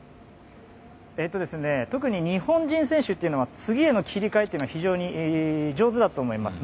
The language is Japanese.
特に日本人選手というのは次への切り替えが非常に上手だと思います。